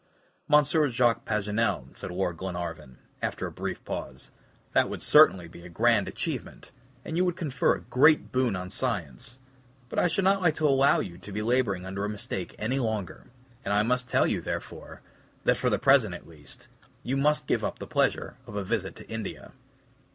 "Monsieur Jacques Paganel," said Lord Glenarvan, after a brief pause, "that would certainly be a grand achievement, and you would confer a great boon on science, but I should not like to allow you to be laboring under a mistake any longer, and I must tell you, therefore, that for the present at least, you must give up the pleasure of a visit to India."